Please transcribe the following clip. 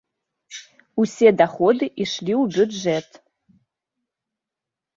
Усе даходы ішлі ў бюджэт.